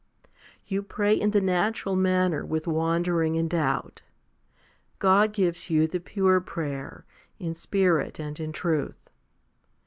You pray in the natural manner with wandering and doubt ; God gives you the pure prayer, in Spirit and in truth.'